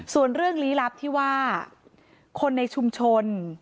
ส่วนเรื่องลี้ลับที่ว่าคนในชุมชน